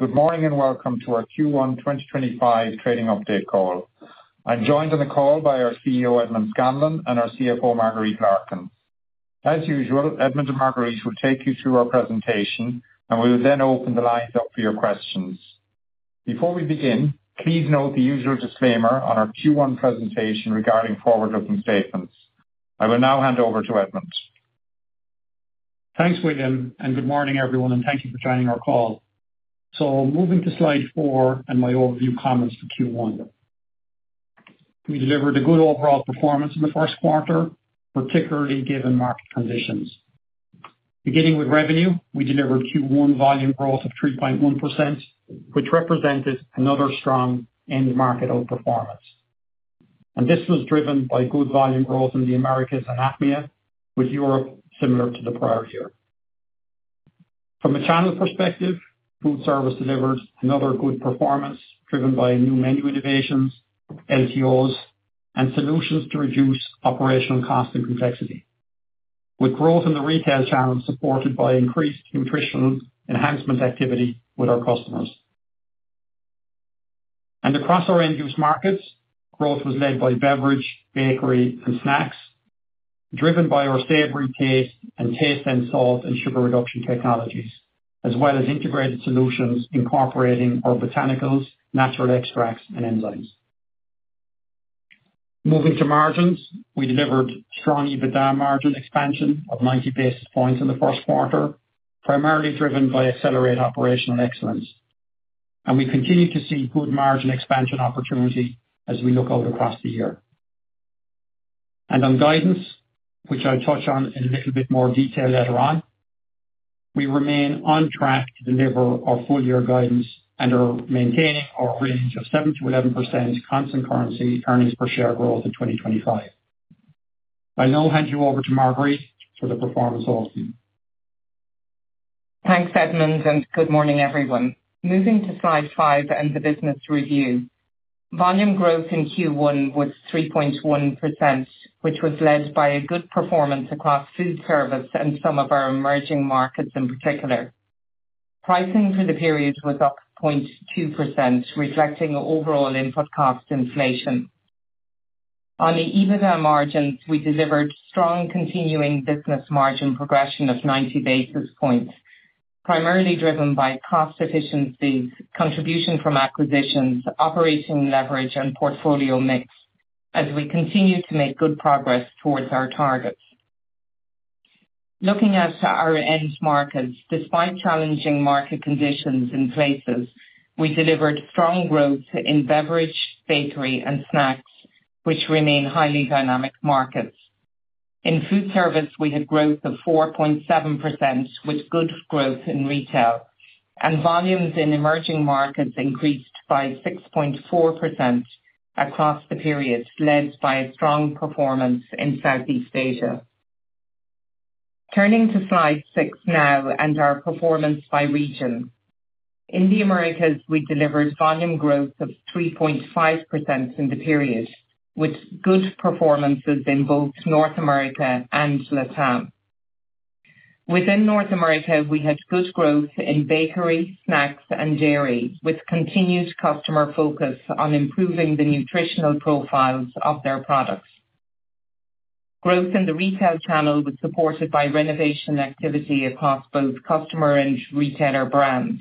Good morning and welcome to our Q1 2025 trading update call. I'm joined on the call by our CEO, Edmond Scanlon, and our CFO, Marguerite Larkin. As usual, Edmond and Marguerite will take you through our presentation, and we will then open the lines up for your questions. Before we begin, please note the usual disclaimer on our Q1 presentation regarding forward-looking statements. I will now hand over to Edmond. Thanks, William, and good morning, everyone, and thank you for joining our call. Moving to slide four and my overview comments for Q1. We delivered a good overall performance in the first quarter, particularly given market conditions. Beginning with revenue, we delivered Q1 volume growth of 3.1%, which represented another strong end-market outperformance. This was driven by good volume growth in the Americas and Latin America, with Europe similar to the prior year. From a channel perspective, Foodservice delivered another good performance driven by new menu innovations, LTOs, and solutions to reduce operational cost and complexity, with growth in the retail channel supported by increased nutritional enhancement activity with our customers. Across our end-use markets, growth was led by beverage, bakery, and snacks, driven by our savory taste and Tastesense and salt and sugar reduction technologies, as well as integrated solutions incorporating our botanicals, natural extracts, and enzymes. Moving to margins, we delivered strong EBITDA margin expansion of 90 basis points in the first quarter, primarily driven by accelerated operational excellence. We continue to see good margin expansion opportunity as we look out across the year. On guidance, which I'll touch on in a little bit more detail later on, we remain on track to deliver our full-year guidance and are maintaining our range of 7-11% constant currency earnings per share growth in 2025. I'll now hand you over to Marguerite for the performance overview. Thanks, Edmond, and good morning, everyone. Moving to slide five and the business review. Volume growth in Q1 was 3.1%, which was led by a good performance across Foodservice and some of our emerging markets in particular. Pricing for the period was up 0.2%, reflecting overall input cost inflation. On the EBITDA margins, we delivered strong continuing business margin progression of 90 basis points, primarily driven by cost efficiencies, contribution from acquisitions, operating leverage, and portfolio mix, as we continue to make good progress towards our targets. Looking at our end markets, despite challenging market conditions in places, we delivered strong growth in beverage, bakery, and snacks, which remain highly dynamic markets. In Foodservice, we had growth of 4.7%, with good growth in retail, and volumes in emerging markets increased by 6.4% across the period, led by a strong performance in Southeast Asia. Turning to slide six now and our performance by region. In the Americas, we delivered volume growth of 3.5% in the period, with good performances in both North America and Latin America. Within North America, we had good growth in bakery, snacks, and dairy, with continued customer focus on improving the nutritional profiles of their products. Growth in the retail channel was supported by renovation activity across both customer and retailer brands,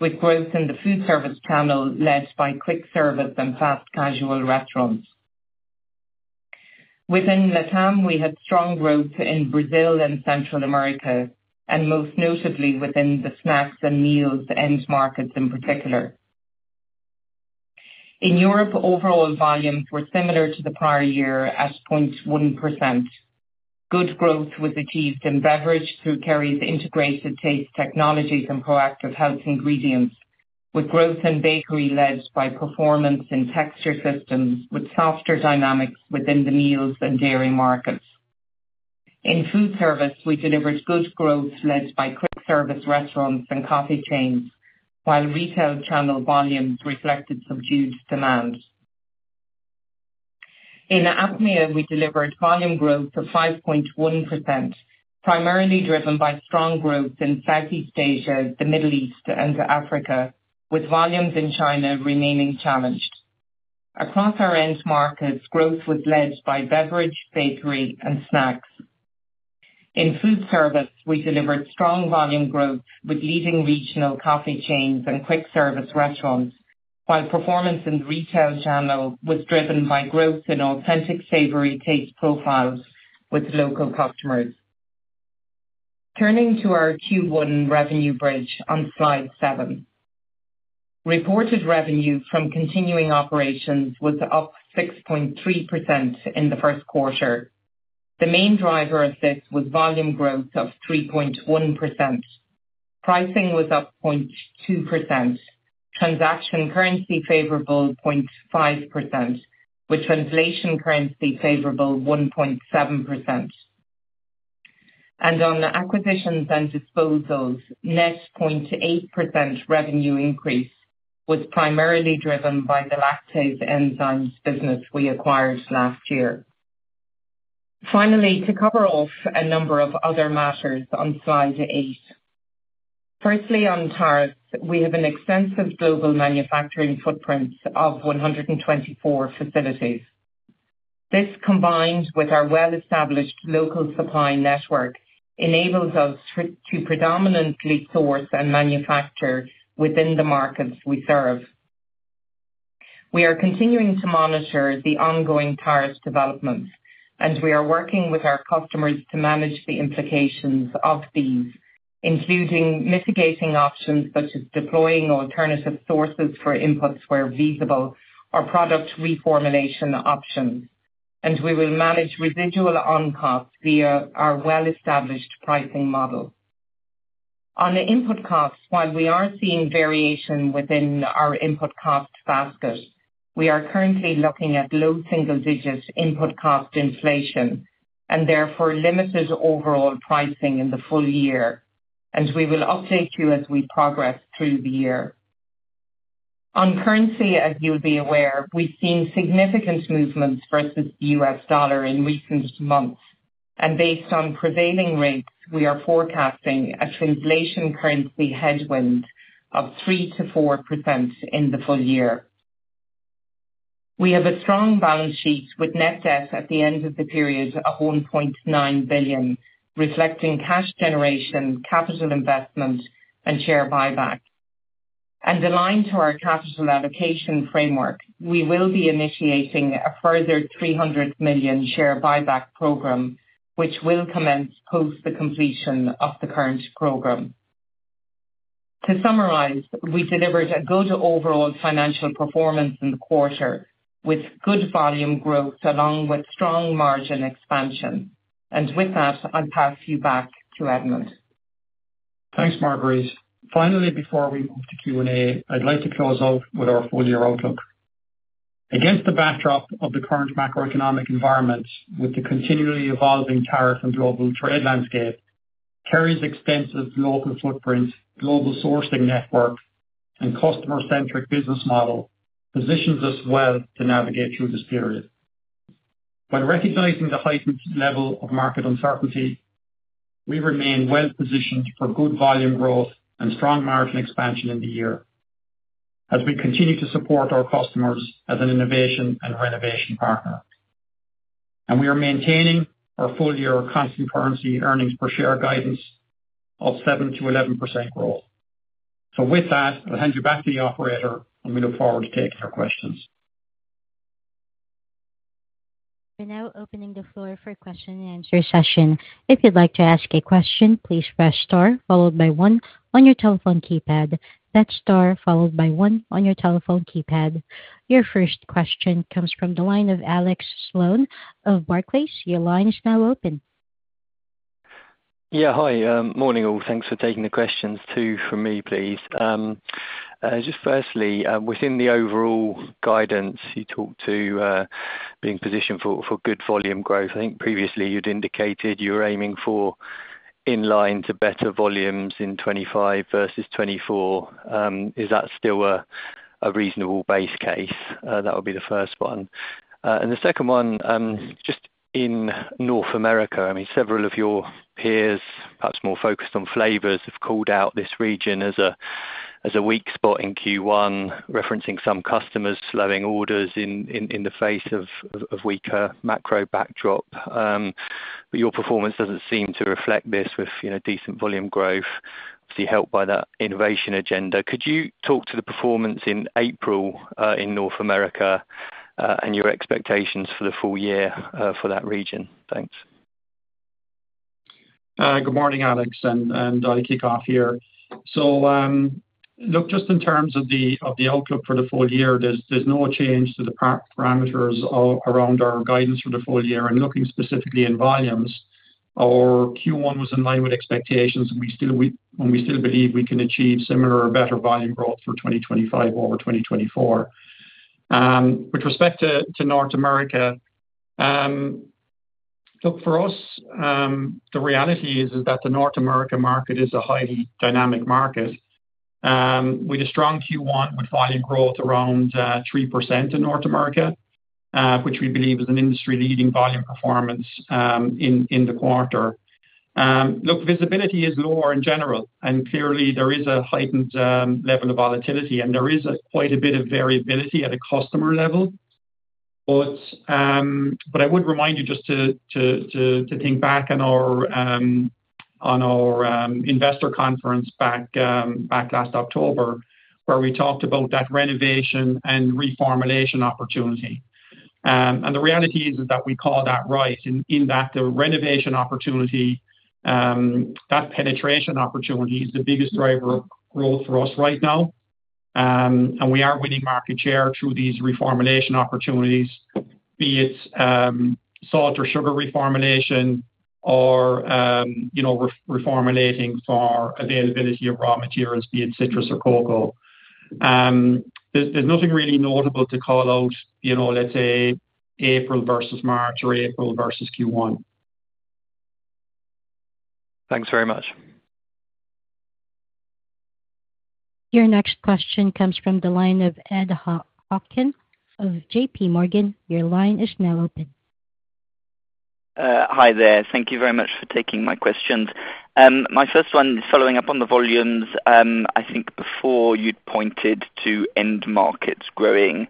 with growth in the Foodservice channel led by quick service and fast casual restaurants. Within Latin America, we had strong growth in Brazil and Central America, and most notably within the snacks and meals end markets in particular. In Europe, overall volumes were similar to the prior year at 0.1%. Good growth was achieved in beverage through Kerry's integrated taste technologies and ProActive Health ingredients, with growth in bakery led by performance in texture systems, with softer dynamics within the meals and dairy markets. In Foodservice, we delivered good growth led by quick service restaurants and coffee chains, while retail channel volumes reflected subdued demand. In APMEA, we delivered volume growth of 5.1%, primarily driven by strong growth in Southeast Asia, the Middle East, and Africa, with volumes in China remaining challenged. Across our end markets, growth was led by beverage, bakery, and snacks. In Foodservice, we delivered strong volume growth with leading regional coffee chains and quick service restaurants, while performance in the retail channel was driven by growth in authentic savory taste profiles with local customers. Turning to our Q1 revenue bridge on slide seven, reported revenue from continuing operations was up 6.3% in the first quarter. The main driver of this was volume growth of 3.1%. Pricing was up 0.2%, transaction currency favorable 0.5%, with translation currency favorable 1.7%. On acquisitions and disposals, net 0.8% revenue increase was primarily driven by the lactase enzymes business we acquired last year. Finally, to cover off a number of other matters on slide eight. Firstly, on tariffs, we have an extensive global manufacturing footprint of 124 facilities. This, combined with our well-established local supply network, enables us to predominantly source and manufacture within the markets we serve. We are continuing to monitor the ongoing tariff developments, and we are working with our customers to manage the implications of these, including mitigating options such as deploying alternative sources for inputs where feasible or product reformulation options. We will manage residual on-cost via our well-established pricing model. On the input costs, while we are seeing variation within our input cost basket, we are currently looking at low single-digit input cost inflation and therefore limited overall pricing in the full year. We will update you as we progress through the year. On currency, as you will be aware, we have seen significant movements versus the US dollar in recent months. Based on prevailing rates, we are forecasting a translation currency headwind of 3-4% in the full year. We have a strong balance sheet with net debt at the end of the period of 1.9 billion, reflecting cash generation, capital investment, and share buyback. Aligned to our capital allocation framework, we will be initiating a further 300 million share buyback program, which will commence post the completion of the current program. To summarize, we delivered a good overall financial performance in the quarter with good volume growth along with strong margin expansion. With that, I'll pass you back to Edmond. Thanks, Marguerite. Finally, before we move to Q&A, I'd like to close off with our full-year outlook. Against the backdrop of the current macroeconomic environment, with the continually evolving tariff and global trade landscape, Kerry's extensive local footprint, global sourcing network, and customer-centric business model positions us well to navigate through this period. When recognizing the heightened level of market uncertainty, we remain well-positioned for good volume growth and strong margin expansion in the year as we continue to support our customers as an innovation and renovation partner. We are maintaining our full-year constant currency earnings per share guidance of 7-11% growth. With that, I'll hand you back to the operator, and we look forward to taking your questions. We're now opening the floor for a question-and-answer session. If you'd like to ask a question, please press star followed by one on your telephone keypad. That's star followed by one on your telephone keypad. Your first question comes from the line of Alex Sloane of Barclays. Your line is now open. Yeah, hi. Morning all. Thanks for taking the questions, two from me, please. Just firstly, within the overall guidance you talked to, being positioned for good volume growth, I think previously you'd indicated you were aiming for in line to better volumes in 2025 versus 2024. Is that still a reasonable base case? That would be the first one. The second one, just in North America, I mean, several of your peers, perhaps more focused on flavors, have called out this region as a weak spot in Q1, referencing some customers slowing orders in the face of weaker macro backdrop. Your performance doesn't seem to reflect this with decent volume growth, obviously helped by the innovation agenda. Could you talk to the performance in April in North America and your expectations for the full year for that region? Thanks. Good morning, Alex, and I'll kick off here. Look, just in terms of the outlook for the full year, there's no change to the parameters around our guidance for the full year. Looking specifically in volumes, our Q1 was in line with expectations, and we still believe we can achieve similar or better volume growth for 2025 over 2024. With respect to North America, look, for us, the reality is that the North America market is a highly dynamic market. We had a strong Q1 with volume growth around 3% in North America, which we believe is an industry-leading volume performance in the quarter. Look, visibility is lower in general, and clearly there is a heightened level of volatility, and there is quite a bit of variability at a customer level. I would remind you just to think back on our investor conference back last October, where we talked about that renovation and reformulation opportunity. The reality is that we call that right in that the renovation opportunity, that penetration opportunity is the biggest driver of growth for us right now. We are winning market share through these reformulation opportunities, be it salt or sugar reformulation or reformulating for availability of raw materials, be it citrus or cocoa. There is nothing really notable to call out, let's say, April versus March or April versus Q1. Thanks very much. Your next question comes from the line of Ed Hockin of JPMorgan. Your line is now open. Hi there. Thank you very much for taking my questions. My first one is following up on the volumes. I think before you'd pointed to end markets growing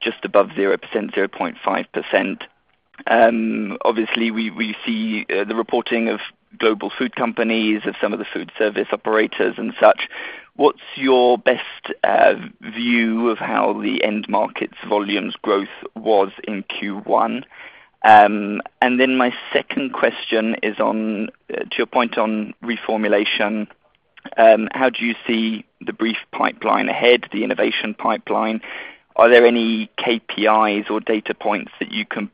just above 0%, 0.5%. Obviously, we see the reporting of global food companies, of some of the Foodservice operators and such. What's your best view of how the end markets volumes growth was in Q1? My second question is on, to your point on reformulation, how do you see the brief pipeline ahead, the innovation pipeline? Are there any KPIs or data points that you can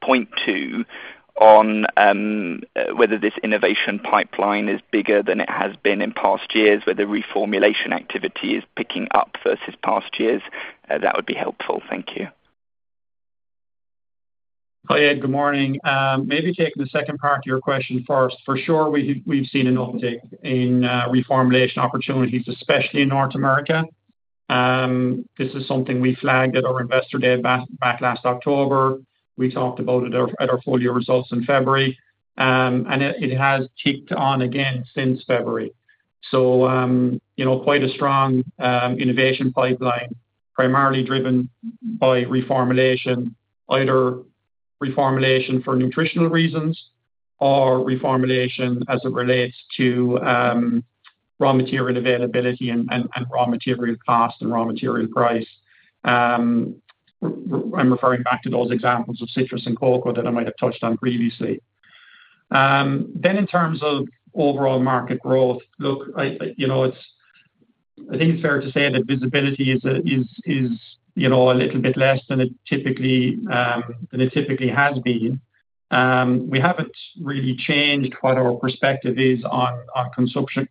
point to on whether this innovation pipeline is bigger than it has been in past years, whether reformulation activity is picking up versus past years? That would be helpful. Thank you. Hi, Ed. Good morning. Maybe taking the second part of your question first. For sure, we've seen an uptick in reformulation opportunities, especially in North America. This is something we flagged at our investor day back last October. We talked about it at our full-year results in February, and it has ticked on again since February. Quite a strong innovation pipeline, primarily driven by reformulation, either reformulation for nutritional reasons or reformulation as it relates to raw material availability and raw material cost and raw material price. I'm referring back to those examples of citrus and cocoa that I might have touched on previously. In terms of overall market growth, I think it's fair to say that visibility is a little bit less than it typically has been. We have not really changed what our perspective is on consumption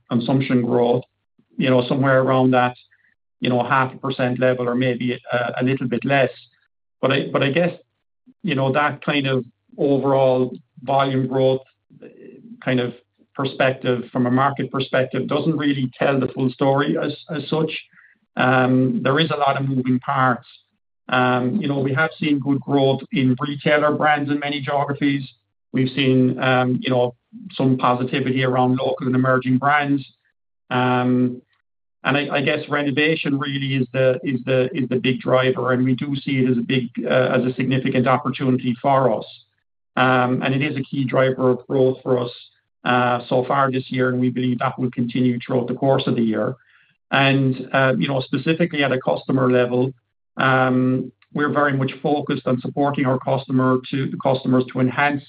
growth, somewhere around that half a percent level or maybe a little bit less. I guess that kind of overall volume growth kind of perspective from a market perspective does not really tell the full story as such. There is a lot of moving parts. We have seen good growth in retailer brands in many geographies. We have seen some positivity around local and emerging brands. I guess renovation really is the big driver, and we do see it as a significant opportunity for us. It is a key driver of growth for us so far this year, and we believe that will continue throughout the course of the year. Specifically at a customer level, we are very much focused on supporting our customers to enhance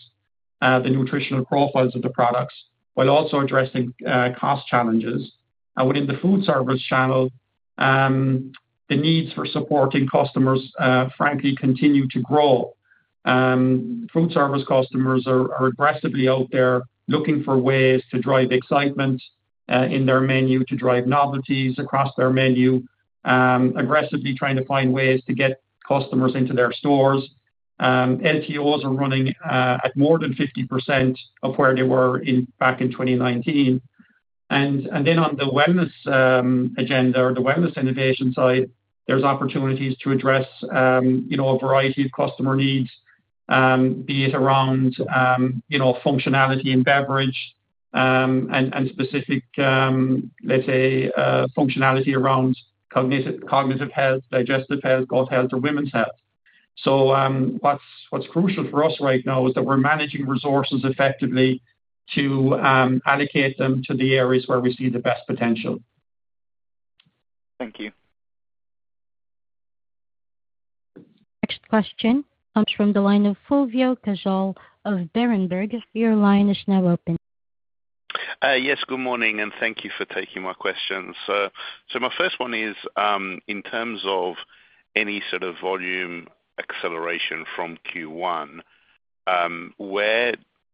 the nutritional profiles of the products while also addressing cost challenges. Within the Foodservice channel, the needs for supporting customers, frankly, continue to grow. Foodservice customers are aggressively out there looking for ways to drive excitement in their menu, to drive novelties across their menu, aggressively trying to find ways to get customers into their stores. LTOs are running at more than 50% of where they were back in 2019. On the wellness agenda or the wellness innovation side, there are opportunities to address a variety of customer needs, be it around functionality in beverage and specific, let's say, functionality around cognitive health, digestive health, gut health, or women's health. What is crucial for us right now is that we are managing resources effectively to allocate them to the areas where we see the best potential. Thank you. Next question comes from the line of Fulvio Cazzol of Berenberg. Your line is now open. Yes, good morning, and thank you for taking my questions. My first one is, in terms of any sort of volume acceleration from Q1,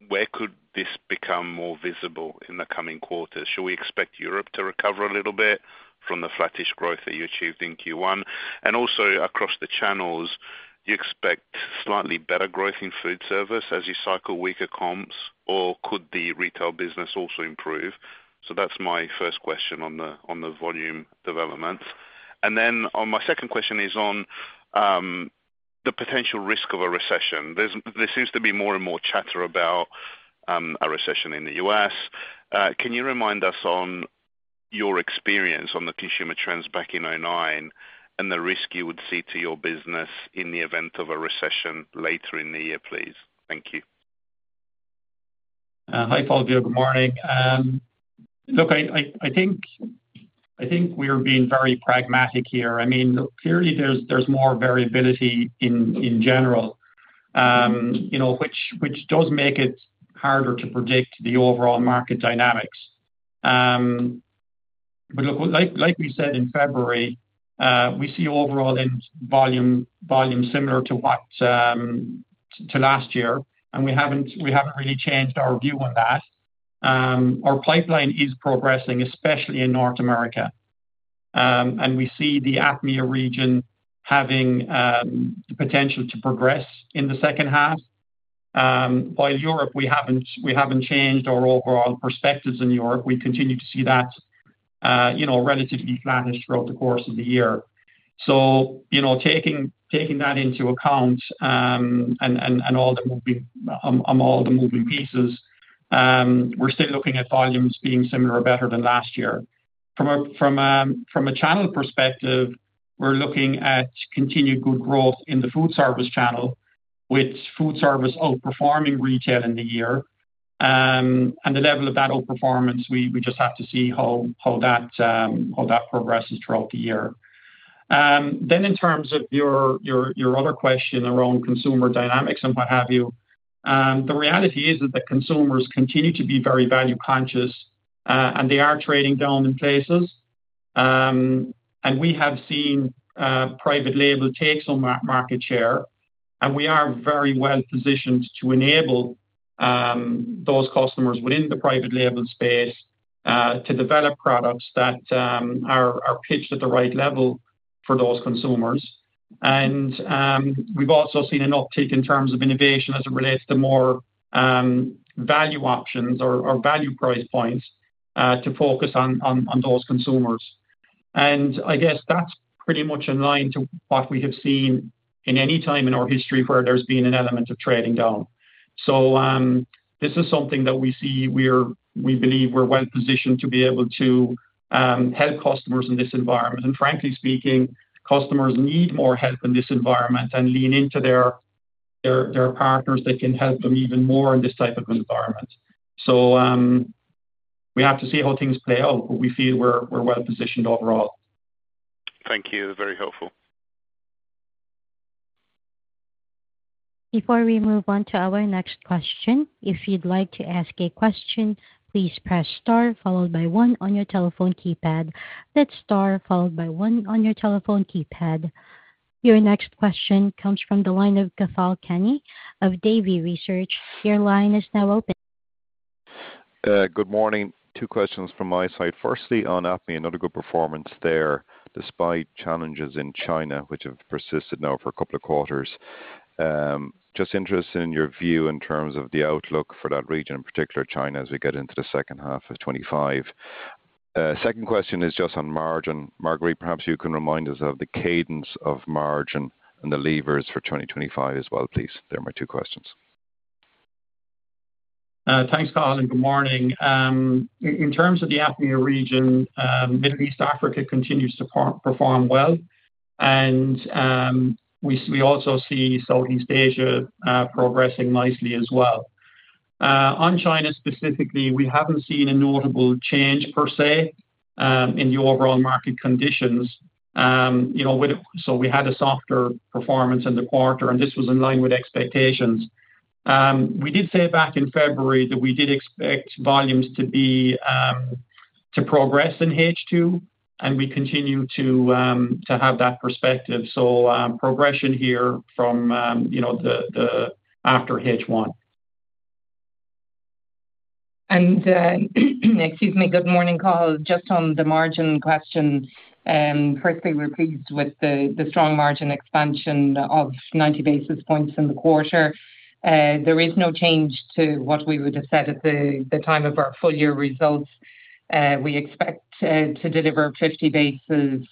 where could this become more visible in the coming quarters? Should we expect Europe to recover a little bit from the flattish growth that you achieved in Q1? Also, across the channels, do you expect slightly better growth in Foodservice as you cycle weaker comps, or could the retail business also improve? That is my first question on the volume developments. My second question is on the potential risk of a recession. There seems to be more and more chatter about a recession in the U.S. Can you remind us on your experience on the consumer trends back in 2009 and the risk you would see to your business in the event of a recession later in the year, please? Thank you. Hi, Fulvio. Good morning. Look, I think we're being very pragmatic here. I mean, clearly, there's more variability in general, which does make it harder to predict the overall market dynamics. Like we said in February, we see overall volume similar to last year, and we haven't really changed our view on that. Our pipeline is progressing, especially in North America. We see the APMEA region having the potential to progress in the second half. While Europe, we haven't changed our overall perspectives in Europe. We continue to see that relatively flattish throughout the course of the year. Taking that into account and on all the moving pieces, we're still looking at volumes being similar or better than last year. From a channel perspective, we're looking at continued good growth in the Foodservice channel, with Foodservice outperforming retail in the year. The level of that outperformance, we just have to see how that progresses throughout the year. In terms of your other question around consumer dynamics and what have you, the reality is that the consumers continue to be very value-conscious, and they are trading down in places. We have seen private label take on market share, and we are very well positioned to enable those customers within the private label space to develop products that are pitched at the right level for those consumers. We've also seen an uptick in terms of innovation as it relates to more value options or value price points to focus on those consumers. I guess that's pretty much in line with what we have seen at any time in our history where there's been an element of trading down. This is something that we see. We believe we're well positioned to be able to help customers in this environment. Frankly speaking, customers need more help in this environment and lean into their partners that can help them even more in this type of environment. We have to see how things play out, but we feel we're well positioned overall. Thank you. Very helpful. Before we move on to our next question, if you'd like to ask a question, please press star followed by one on your telephone keypad. That's star followed by one on your telephone keypad. Your next question comes from the line of Cathal Kenny of Davy Research. Your line is now open. Good morning. Two questions from my side. Firstly, on APMEA, not a good performance there despite challenges in China, which have persisted now for a couple of quarters. Just interested in your view in terms of the outlook for that region, in particular China, as we get into the second half of 2025. Second question is just on margin. Marguerite, perhaps you can remind us of the cadence of margin and the levers for 2025 as well, please. They're my two questions. Thanks, Cathal. Good morning. In terms of the APMEA region, Middle East Africa continues to perform well, and we also see Southeast Asia progressing nicely as well. On China specifically, we haven't seen a notable change per se in the overall market conditions. We had a softer performance in the quarter, and this was in line with expectations. We did say back in February that we did expect volumes to progress in H2, and we continue to have that perspective. Progression here from after H1. Excuse me, good morning, Cathal. Just on the margin question, firstly, we're pleased with the strong margin expansion of 90 basis points in the quarter. There is no change to what we would have said at the time of our full-year results. We expect to deliver 50 basis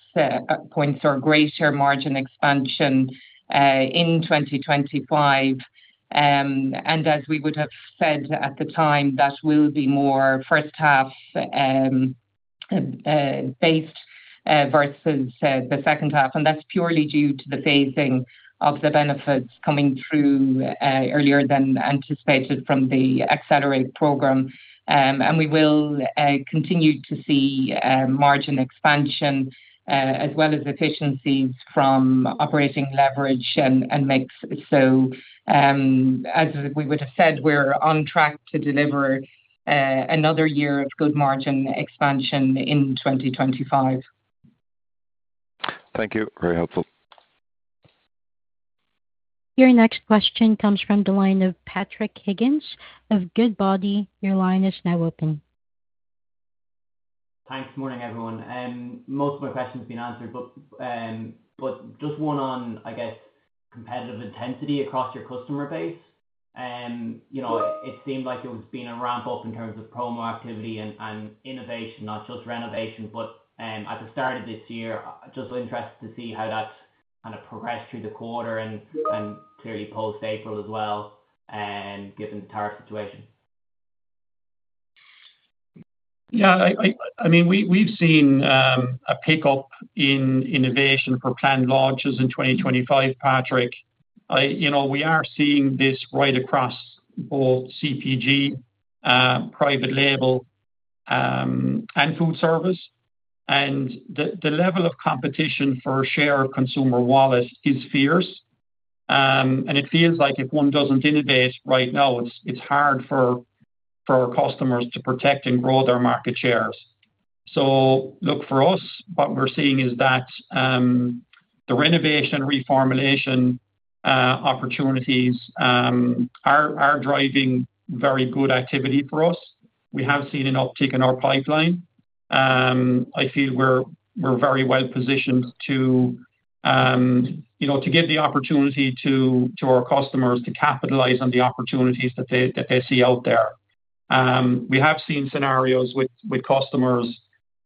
points or greater margin expansion in 2025. As we would have said at the time, that will be more first half based versus the second half. That is purely due to the phasing of the benefits coming through earlier than anticipated from the Accelerate program. We will continue to see margin expansion as well as efficiencies from operating leverage and mix. As we would have said, we're on track to deliver another year of good margin expansion in 2025. Thank you. Very helpful. Your next question comes from the line of Patrick Higgins of Goodbody. Your line is now open. Thanks. Good morning, everyone. Most of my questions have been answered, but just one on, I guess, competitive intensity across your customer base. It seemed like there has been a ramp-up in terms of promo activity and innovation, not just renovation, but at the start of this year. Just interested to see how that's kind of progressed through the quarter and clearly post-April as well, given the tariff situation. Yeah. I mean, we've seen a pickup in innovation for planned launches in 2025, Patrick. We are seeing this right across both CPG, private label, and Foodservice. The level of competition for share of consumer wallet is fierce. It feels like if one doesn't innovate right now, it's hard for our customers to protect and grow their market shares. Look, for us, what we're seeing is that the renovation and reformulation opportunities are driving very good activity for us. We have seen an uptick in our pipeline. I feel we're very well positioned to give the opportunity to our customers to capitalize on the opportunities that they see out there. We have seen scenarios with customers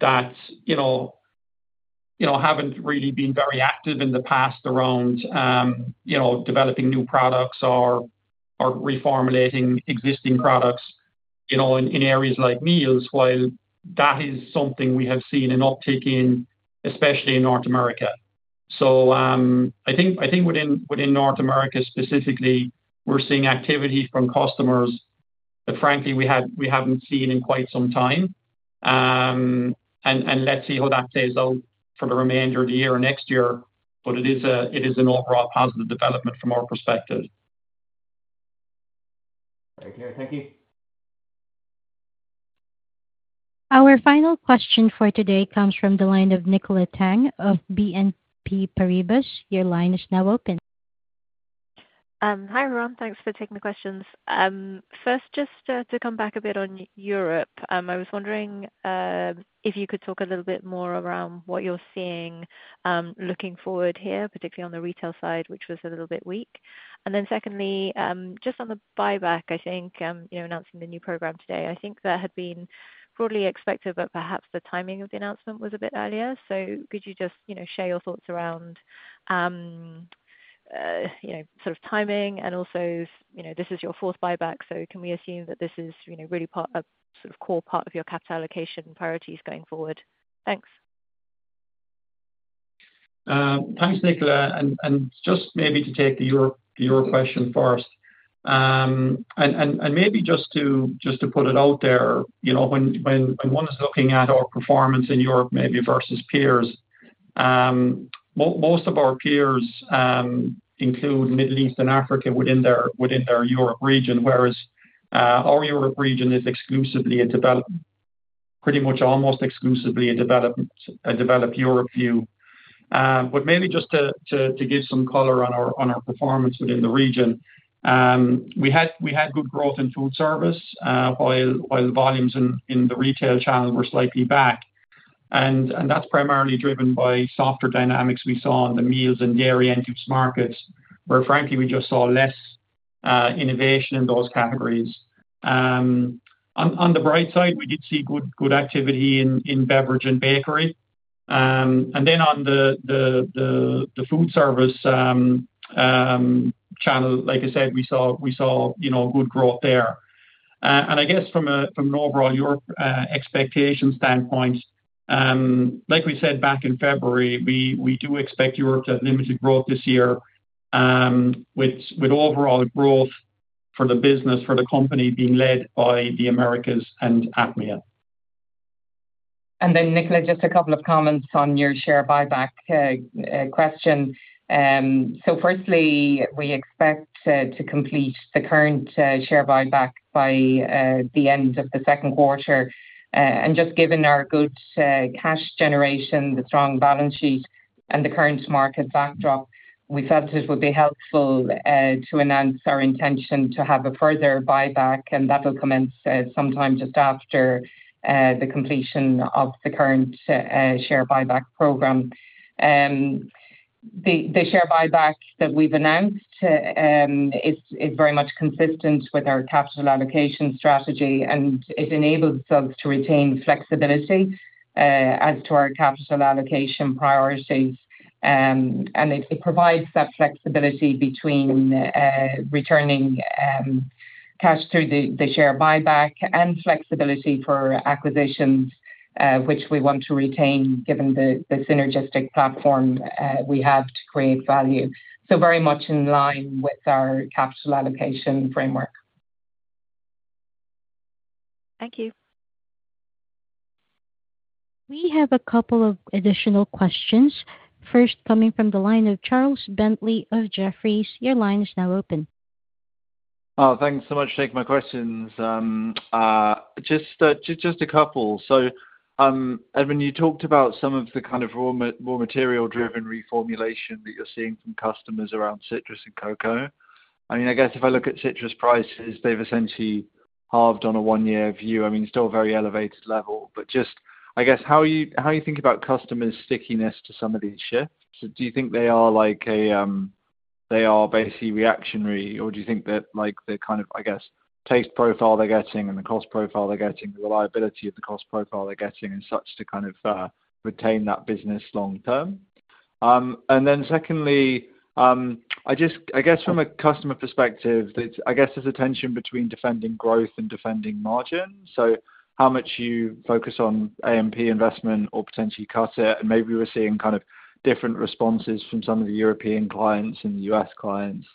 that have not really been very active in the past around developing new products or reformulating existing products in areas like meals, while that is something we have seen an uptick in, especially in North America. I think within North America specifically, we are seeing activity from customers that, frankly, we have not seen in quite some time. Let us see how that plays out for the remainder of the year or next year, but it is an overall positive development from our perspective. Okay. Thank you. Our final question for today comes from the line of Nicola Tang of BNP Paribas. Your line is now open. Hi, everyone. Thanks for taking the questions. First, just to come back a bit on Europe, I was wondering if you could talk a little bit more around what you're seeing looking forward here, particularly on the retail side, which was a little bit weak. Secondly, just on the buyback, I think announcing the new program today, I think that had been broadly expected, but perhaps the timing of the announcement was a bit earlier. Could you just share your thoughts around sort of timing? Also, this is your fourth buyback, so can we assume that this is really a sort of core part of your capital allocation priorities going forward? Thanks. Thanks, Nicola. Just maybe to take your question first, and maybe just to put it out there, when one is looking at our performance in Europe, maybe versus peers, most of our peers include Middle East and Africa within their Europe region, whereas our Europe region is exclusively a developed, pretty much almost exclusively a developed Europe view. Maybe just to give some color on our performance within the region, we had good growth in Foodservice while the volumes in the retail channel were slightly back. That is primarily driven by softer dynamics we saw on the meals and dairy end-use markets, where, frankly, we just saw less innovation in those categories. On the bright side, we did see good activity in beverage and bakery. In the Foodservice channel, like I said, we saw good growth there. I guess from an overall Europe expectation standpoint, like we said back in February, we do expect Europe to have limited growth this year with overall growth for the business, for the company being led by the Americas and APMEA. Nicola, just a couple of comments on your share buyback question. Firstly, we expect to complete the current share buyback by the end of the second quarter. Just given our good cash generation, the strong balance sheet, and the current market backdrop, we felt it would be helpful to announce our intention to have a further buyback, and that will commence sometime just after the completion of the current share buyback program. The share buyback that we've announced is very much consistent with our capital allocation strategy, and it enables us to retain flexibility as to our capital allocation priorities. It provides that flexibility between returning cash through the share buyback and flexibility for acquisitions, which we want to retain given the synergistic platform we have to create value. Very much in line with our capital allocation framework. Thank you. We have a couple of additional questions. First, coming from the line of Charles Bentley of Jefferies, your line is now open. Thanks so much for taking my questions. Just a couple. When you talked about some of the kind of raw material-driven reformulation that you're seeing from customers around citrus and cocoa, I mean, I guess if I look at citrus prices, they've essentially halved on a one-year view. I mean, still a very elevated level, but just I guess how do you think about customers' stickiness to some of these shifts? Do you think they are basically reactionary, or do you think that the kind of, I guess, taste profile they're getting and the cost profile they're getting, the reliability of the cost profile they're getting and such to kind of retain that business long-term? Secondly, I guess from a customer perspective, I guess there's a tension between defending growth and defending margin. How much you focus on A&P investment or potentially cut it, and maybe we're seeing kind of different responses from some of the European clients and the US clients.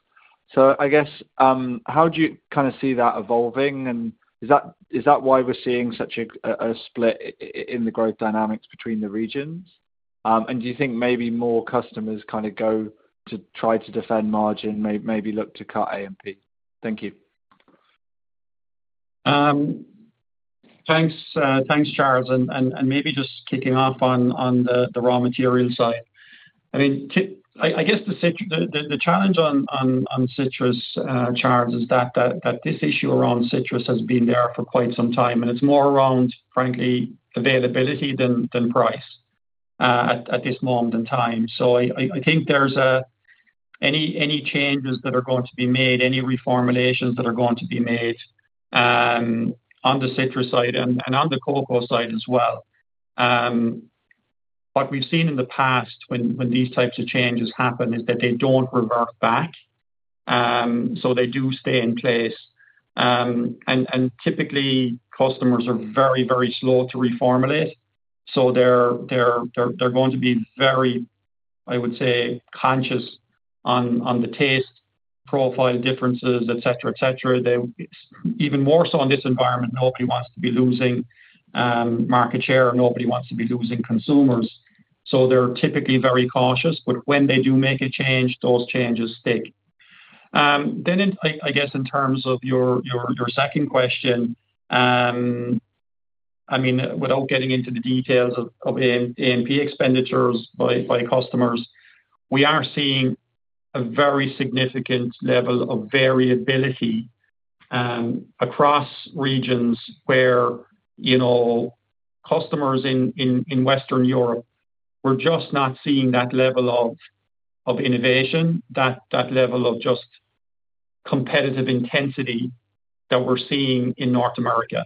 I guess how do you kind of see that evolving, and is that why we're seeing such a split in the growth dynamics between the regions? Do you think maybe more customers kind of go to try to defend margin, maybe look to cut A&P? Thank you. Thanks, Charles. Maybe just kicking off on the raw material side. I mean, I guess the challenge on citrus, Charles, is that this issue around citrus has been there for quite some time, and it's more around, frankly, availability than price at this moment in time. I think any changes that are going to be made, any reformulations that are going to be made on the citrus side and on the cocoa side as well. What we've seen in the past when these types of changes happen is that they do not revert back. They do stay in place. Typically, customers are very, very slow to reformulate. They are going to be very, I would say, conscious on the taste profile differences, etc., etc. Even more so in this environment, nobody wants to be losing market share, and nobody wants to be losing consumers. They are typically very cautious, but when they do make a change, those changes stick. I guess in terms of your second question, I mean, without getting into the details of A&P expenditures by customers, we are seeing a very significant level of variability across regions where customers in Western Europe are just not seeing that level of innovation, that level of just competitive intensity that we are seeing in North America.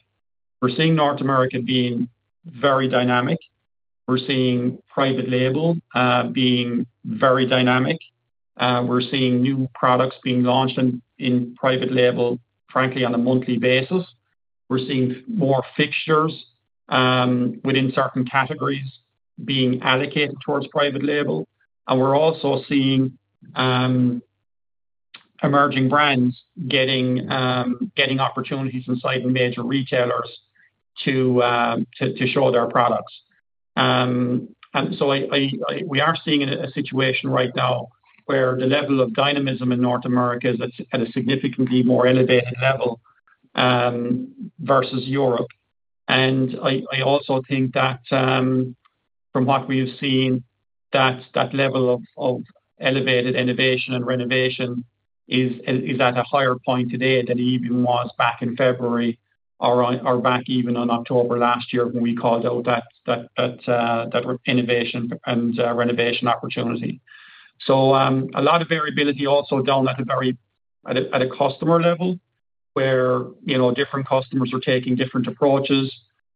We are seeing North America being very dynamic. We are seeing private label being very dynamic. We are seeing new products being launched in private label, frankly, on a monthly basis. We are seeing more fixtures within certain categories being allocated towards private label. We are also seeing emerging brands getting opportunities inside major retailers to show their products. We are seeing a situation right now where the level of dynamism in North America is at a significantly more elevated level versus Europe. I also think that from what we've seen, that level of elevated innovation and renovation is at a higher point today than it even was back in February or back even on October last year when we called out that innovation and renovation opportunity. A lot of variability also down at a customer level where different customers are taking different approaches.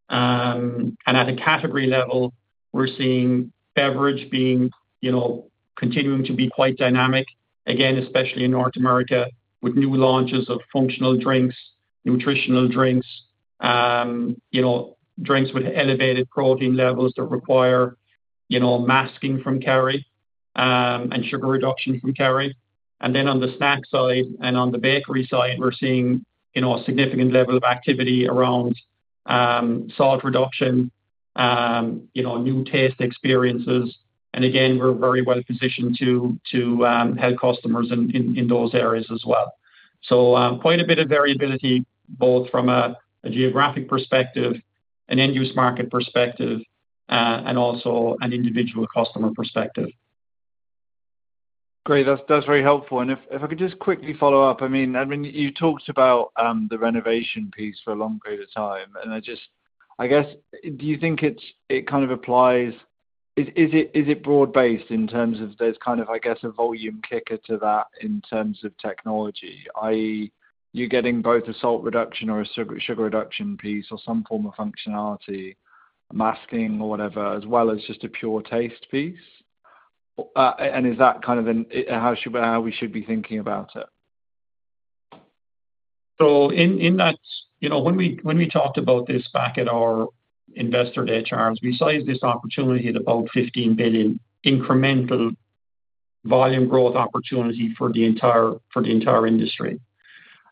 At a category level, we're seeing beverage continuing to be quite dynamic, especially in North America with new launches of functional drinks, nutritional drinks, drinks with elevated protein levels that require masking from Kerry and sugar reduction from Kerry. On the snack side and on the bakery side, we're seeing a significant level of activity around salt reduction, new taste experiences. We are very well positioned to help customers in those areas as well. Quite a bit of variability exists both from a geographic perspective, an end-use market perspective, and also an individual customer perspective. Great. That's very helpful. If I could just quickly follow up, I mean, you talked about the renovation piece for a long period of time. I guess, do you think it kind of applies? Is it broad-based in terms of there's kind of, I guess, a volume kicker to that in terms of technology? I.e., you're getting both a salt reduction or a sugar reduction piece or some form of functionality, masking or whatever, as well as just a pure taste piece? Is that kind of how we should be thinking about it? When we talked about this back at our investor day at Charles, we sized this opportunity at about $15 billion. Incremental volume growth opportunity for the entire industry.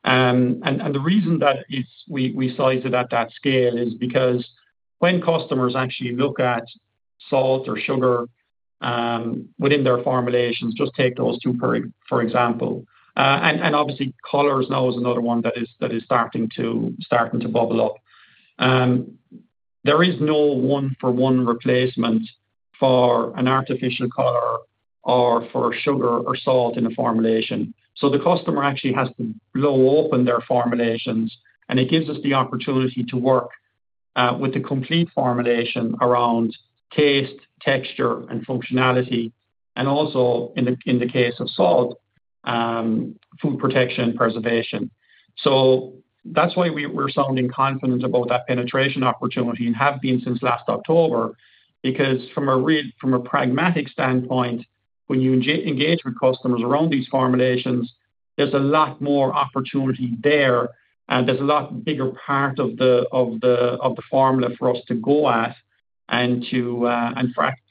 The reason that we sized it at that scale is because when customers actually look at salt or sugar within their formulations, just take those two, for example. Obviously, colors now is another one that is starting to bubble up. There is no one-for-one replacement for an artificial color or for sugar or salt in a formulation. The customer actually has to blow open their formulations, and it gives us the opportunity to work with the complete formulation around taste, texture, and functionality, and also in the case of salt, food protection, preservation. That is why we are sounding confident about that penetration opportunity and have been since last October, because from a pragmatic standpoint, when you engage with customers around these formulations, there is a lot more opportunity there, and there is a lot bigger part of the formula for us to go at.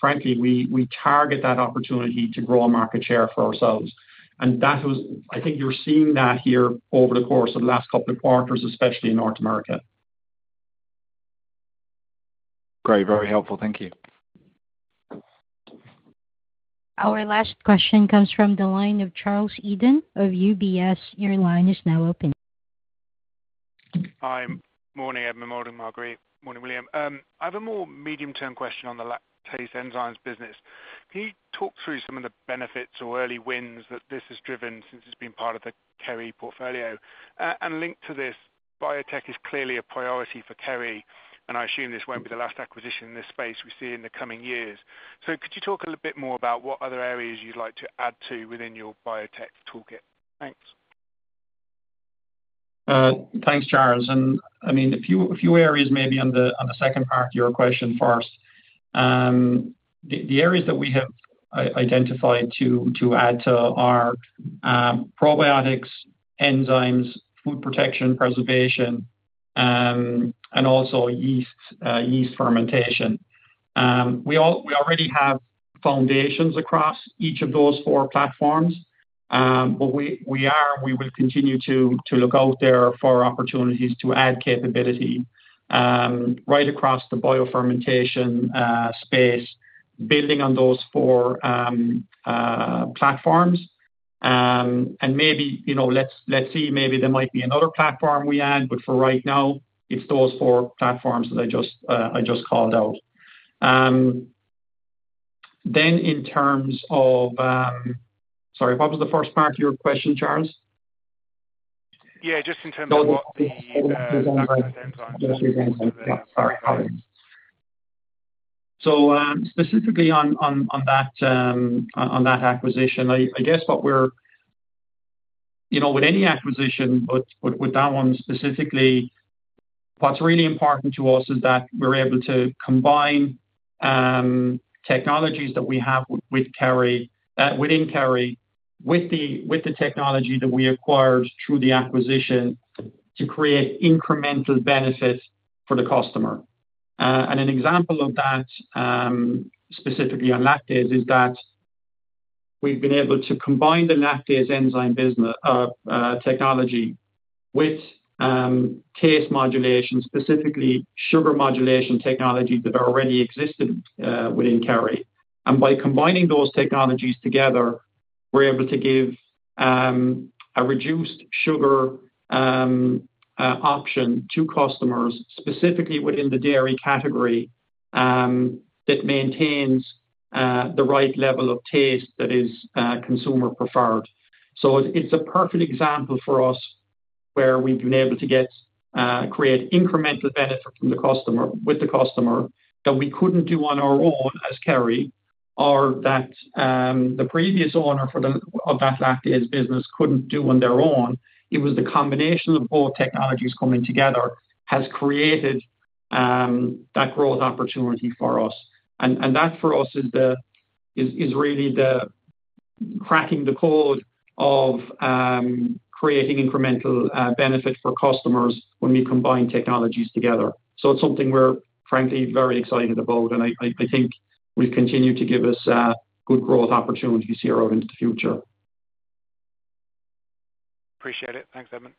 Frankly, we target that opportunity to grow market share for ourselves. I think you are seeing that here over the course of the last couple of quarters, especially in North America. Great. Very helpful. Thank you. Our last question comes from the line of Charles Eden of UBS. Your line is now open. Hi. Morning, Edmond, Marguerite, morning William. I have a more medium-term question on the taste enzymes business. Can you talk through some of the benefits or early wins that this has driven since it's been part of the Kerry portfolio? Linked to this, biotech is clearly a priority for Kerry, and I assume this won't be the last acquisition in this space we see in the coming years. Could you talk a little bit more about what other areas you'd like to add to within your biotech toolkit? Thanks. Thanks, Charles. I mean, a few areas maybe on the second part of your question first. The areas that we have identified to add to are probiotics, enzymes, food protection, preservation, and also yeast fermentation. We already have foundations across each of those four platforms, but we will continue to look out there for opportunities to add capability right across the biofermentation space, building on those four platforms. Maybe let's see, maybe there might be another platform we add, but for right now, it's those four platforms that I just called out. In terms of sorry, what was the first part of your question, Charles? Yeah, just in terms of what the biotech enzymes. Specifically on that acquisition, I guess what we're with any acquisition, but with that one specifically, what's really important to us is that we're able to combine technologies that we have within Kerry with the technology that we acquired through the acquisition to create incremental benefits for the customer. An example of that specifically on lactase is that we've been able to combine the lactase enzyme technology with taste modulation, specifically sugar modulation technology that already existed within Kerry. By combining those technologies together, we're able to give a reduced sugar option to customers specifically within the dairy category that maintains the right level of taste that is consumer preferred. It is a perfect example for us where we have been able to create incremental benefit with the customer that we could not do on our own as Kerry or that the previous owner of that lactase business could not do on their own. It was the combination of both technologies coming together that has created that growth opportunity for us. That for us is really the cracking the code of creating incremental benefit for customers when we combine technologies together. It is something we are frankly very excited about, and I think will continue to give us good growth opportunities here in the future. Appreciate it. Thanks, Edmond.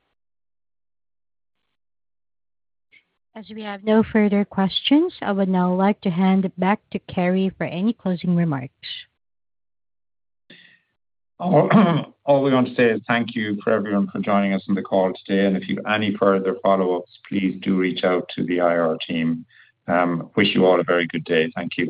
As we have no further questions, I would now like to hand it back to Kerry for any closing remarks. All we want to say is thank you for everyone for joining us on the call today. If you have any further follow-ups, please do reach out to the IR team. Wish you all a very good day. Thank you.